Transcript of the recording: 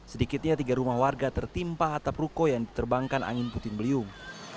sedikitnya tiga rumah warga tertimpa atap ruko yang diterbangkan angin puting beliung